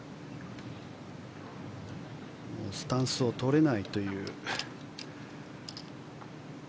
スタンスを取れないという。